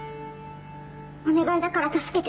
お願いだから助けて。